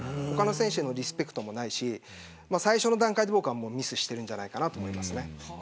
他の選手へのリスペクトもないし最初の段階で、僕はもうミスしてるんじゃないかと思いますね。